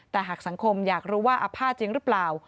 แต่หากสังคมอยากรู้ว่าอภาษณ์จริงหรือเปล่า